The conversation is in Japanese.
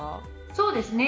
そうですね。